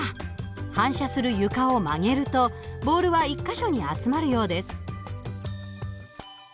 反射する床を曲げるとボールは１か所に集まるようです。